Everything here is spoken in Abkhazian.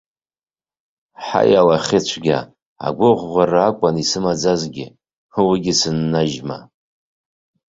Ҳаи алахьыцәгьа, агәыӷәӷәара акәын исымаӡазгьы, уигьы сыннажьма.